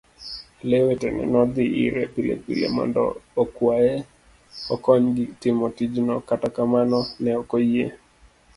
Lee wetene nodhi ire pilepile mondo okwaye okonygi timo tijno, kata kamano ne okoyie.